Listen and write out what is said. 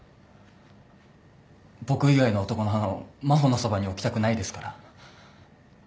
僕以外の男の花を真帆のそばに置きたくないですから。